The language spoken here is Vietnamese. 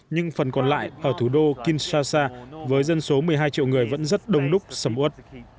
nhưng phần còn lại ở thủ đô kinshasa với dân số một mươi hai triệu người vẫn rất đông đúc sầm uất